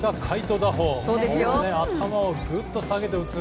頭をぐっと下げて打つ。